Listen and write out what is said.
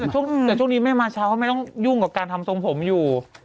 แต่ช่วงนี้แม่มาเช้าเขาไม่ต้องยุ่งกับการทำทรงผมอยู่